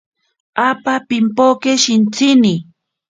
Apa pimpoke shintsini.